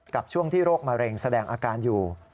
ช่วงที่โรคมะเร็งแสดงอาการอยู่